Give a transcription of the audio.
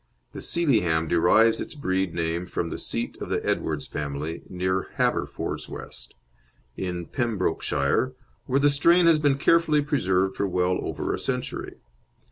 The Sealyham derives its breed name from the seat of the Edwardes family, near Haverfordwest, in Pembrokeshire, where the strain has been carefully preserved for well over a century.